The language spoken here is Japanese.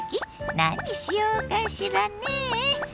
何にしようかしらねえ。